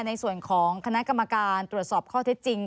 ในส่วนของคณะกรรมการตรวจสอบข้อเท็จจริง